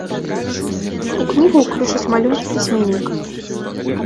У кнігу ўключаць малюнкі пісьменніка.